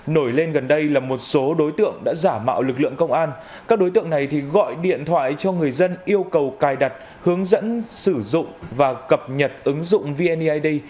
nổi lên gần đây là một số đối tượng đã giả mạo lực lượng công an các đối tượng này gọi điện thoại cho người dân yêu cầu cài đặt hướng dẫn sử dụng và cập nhật ứng dụng vneid